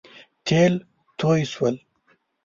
تېل توی شول